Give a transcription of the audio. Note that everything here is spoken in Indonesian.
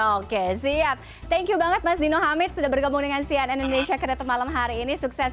oke siap thank you banget mas dino hamid sudah bergabung dengan cn indonesia kredit malam hari ini sukses